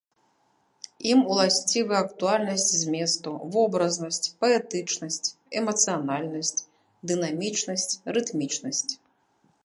Ім уласцівы актуальнасць зместу, вобразнасць, паэтычнасць, эмацыянальнасць, дынамічнасць, рытмічнасць.